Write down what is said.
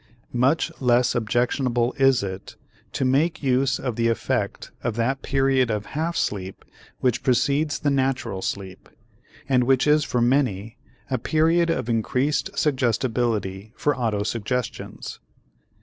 Much less objectionable is it to make use of the effect of that period of half sleep which precedes the natural sleep, and which is for many a period of increased suggestibility for autosuggestions.